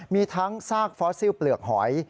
มีทั้งซากฟอสซิลเปลือกหอย